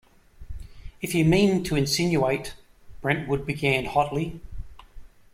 If you mean to insinuate -- Brentwood began hotly.